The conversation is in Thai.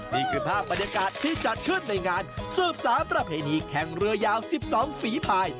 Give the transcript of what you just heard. นี่คือภาพบรรยากาศที่จัดขึ้นในงานสืบสารประเพณีแข่งเรือยาว๑๒ฝีภาย